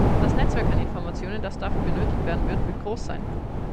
Das Netzwerk an Informationen, das dafür benötigt werden wird, wird groß sein.